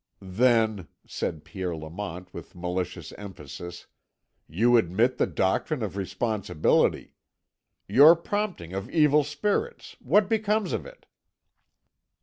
"Then," said Pierre Lamont with malicious emphasis, "you admit the doctrine of responsibility. Your prompting of evil spirits, what becomes of it?"